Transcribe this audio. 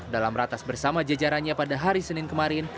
dalam ratas bersama jajarannya pada hari senin kemarin